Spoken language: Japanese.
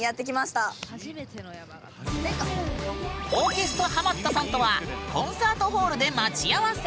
オーケストラハマったさんとはコンサートホールで待ち合わせ。